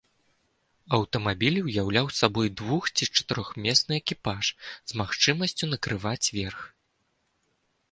Аўтамабіль ўяўляў сабой двух- ці чатырохмесны экіпаж, з магчымасцю накрываць верх.